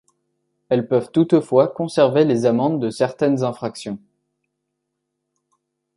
Elles peuvent toutefois conserver les amendes de certaines infractions.